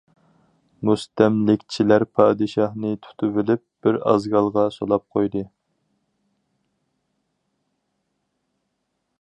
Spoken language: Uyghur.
مۇستەملىكىچىلەر پادىشاھنى تۇتۇۋېلىپ بىر ئازگالغا سولاپ قويدى.